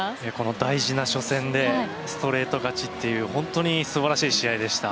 大事な初戦でストレート勝ちという本当に素晴らしい試合でした。